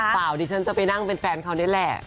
เปล่าที่ฉันจะไปนั่งเป็นแฟนเค้านี่แหละ